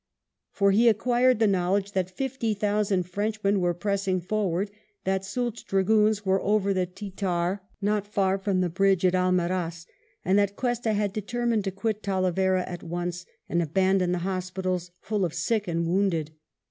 For he acquired the knowledge that fifty thousand Frenchmen were pressing forward, that Soult's dragoons were over the Tietar not far from the bridge at Almaraz, and that Cuesta had determined to quit Talavera at once, and abandon the hospitals full of sick and wounded.